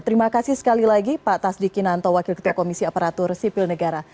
terima kasih sekali lagi pak tasdik kinanto wakil ketua komisi aparatur sipil negara